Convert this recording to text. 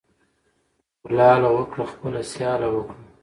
ـ کولاله وکړه خپله سياله وکړه.